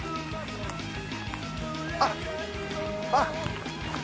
あっあっ。